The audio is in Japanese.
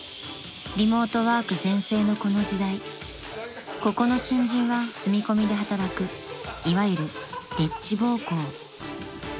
［リモートワーク全盛のこの時代ここの新人は住み込みで働くいわゆる丁稚奉公］